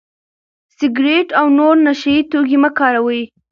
سګرټ او نور نشه يي توکي مه کاروئ.